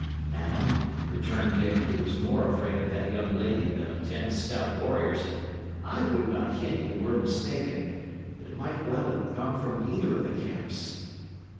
"Madam," returned Dick, who was more afraid of that young lady than of ten stout warriors, "I would not hint ye were mistaken; but it might well have come from either of the camps."